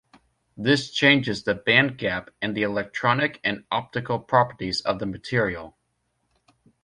This changes the bandgap and the electronic and optical properties of the material.